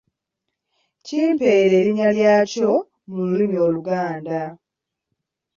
Kimpeere erinnya lyakyo mu lulimi Oluganda.